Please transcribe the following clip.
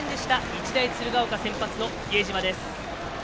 日大鶴ヶ丘、先発の比江島です。